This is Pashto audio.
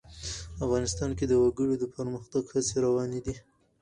افغانستان کې د وګړي د پرمختګ هڅې روانې دي.